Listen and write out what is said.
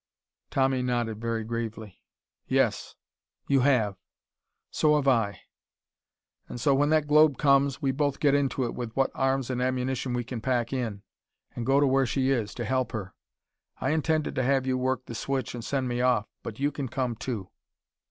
Tommy nodded very gravely. "Yes. You have. So have I. And so, when that globe comes, we both get into it with what arms and ammunition we can pack in, and go where she is, to help her. I intended to have you work the switch and send me off. But you can come, too."